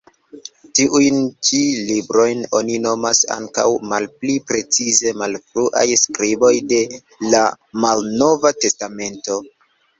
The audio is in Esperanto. Tiujn ĉi librojn oni nomas ankaŭ, malpli precize, "malfruaj skriboj de la Malnova Testamento".